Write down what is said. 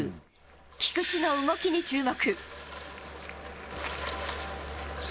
菊池の動きに注目。